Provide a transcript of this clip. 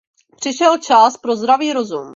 Přišel čas pro zdravý rozum.